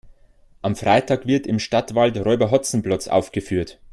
Am Freitag wird im Stadtwald Räuber Hotzenplotz aufgeführt.